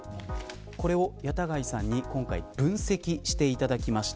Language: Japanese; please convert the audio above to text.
これを谷田貝さんに分析していただきました。